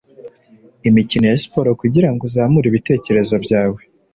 Imikino ya siporo kugirango uzamure ibitekerezo byawe